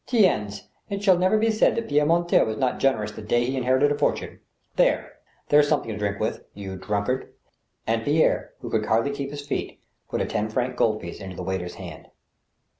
Ttens / it shall never be said that Pierre Mortier was not generous the day he inherited a fortune. There ! there's something to drink with, ... you drunkard !" And Pierre, who could hardly keep his feet, put a ten franc gold piece into the waiter's hand.